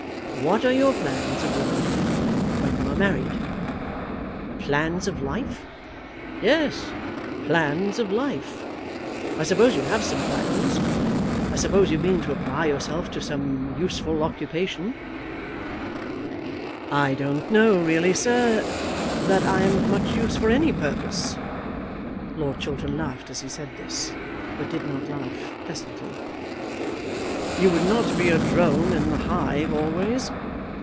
What are your plans of life when you are married?" "Plans of life?" "Yes; plans of life. I suppose you have some plans. I suppose you mean to apply yourself to some useful occupation?" "I don't know really, sir, that I am of much use for any purpose." Lord Chiltern laughed as he said this, but did not laugh pleasantly. "You would not be a drone in the hive always?"